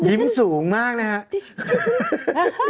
ยิ้มสูงมากนะครับ